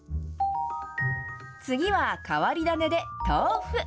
次は変わり種で豆腐。